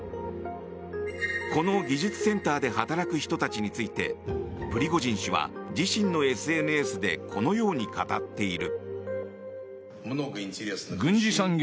この技術センターで働く人たちについてプリゴジン氏は自身のＳＮＳでこのように語っている。